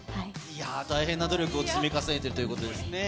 いやー、大変な努力を積み重ねているということですね。